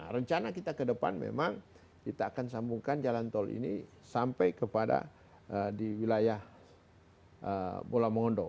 rencana kita ke depan memang kita akan sambungkan jalan tol ini sampai kepada di wilayah bola mongondo